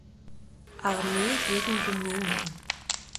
Armee gegen Rumänien.